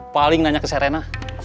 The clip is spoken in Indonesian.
paling nanya ke serena